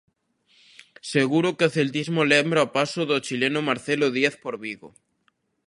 Seguro que o celtismo lembra o paso do chileno Marcelo Díaz por Vigo.